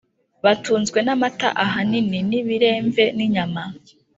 batunzwe n’amata ahanini, n’biremve n’inyama.